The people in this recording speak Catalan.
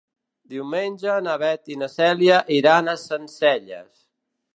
Diumenge na Beth i na Cèlia iran a Sencelles.